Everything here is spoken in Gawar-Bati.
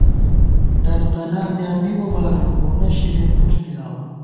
ڈل قلا میاں می مبارَک، موہ شرین پُݪ گِلاؤ